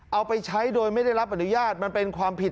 เอาไปใช้โดยไม่ได้รับอนุญาตมันเป็นความผิด